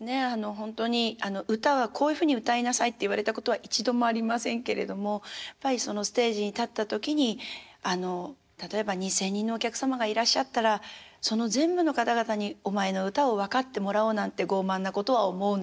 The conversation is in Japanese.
ほんとに「歌はこういうふうに歌いなさい」って言われたことは一度もありませんけれどもやっぱりステージに立った時に例えば２，０００人のお客様がいらっしゃったらその全部の方々にお前の歌を分かってもらおうなんて傲慢なことは思うな。